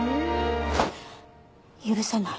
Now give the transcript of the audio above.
許せない。